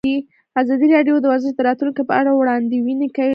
ازادي راډیو د ورزش د راتلونکې په اړه وړاندوینې کړې.